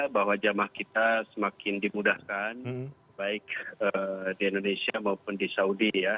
bahwa jamaah kita semakin dimudahkan baik di indonesia maupun di saudi ya